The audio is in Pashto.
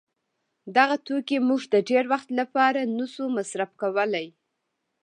دغه توکي موږ د ډېر وخت له پاره نه سي مصروف کولای.